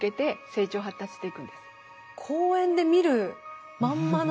公園で見るまんまの。